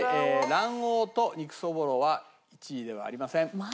卵黄と肉そぼろは１位ではありません。